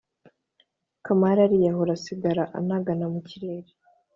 Kamari ariyahura asigara anagana mu kirere.